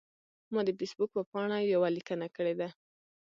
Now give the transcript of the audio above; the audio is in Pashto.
ما د فیسبوک په پاڼه یوه لیکنه کړې ده.